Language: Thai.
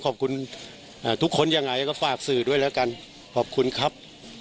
ขอบคุณทุกคนยังไงก็ฝากสื่อด้วยแล้วกันขอบคุณครับ